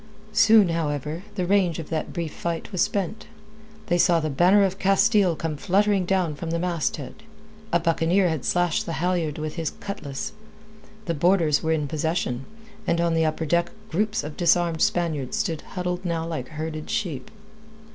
Soon, however, the rage of that brief fight was spent. They saw the banner of Castile come fluttering down from the masthead. A buccaneer had slashed the halyard with his cutlass. The boarders were in possession, and on the upper deck groups of disarmed Spaniards stood huddled now like herded sheep.